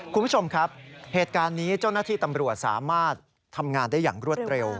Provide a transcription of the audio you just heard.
คุณผู้ชมครับเหตุการณ์นี้เจ้าหน้าที่ตำรวจสามารถทำงานได้อย่างรวดเร็ว